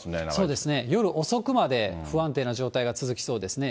そうですね、夜遅くまで不安定な状態が続きそうですね。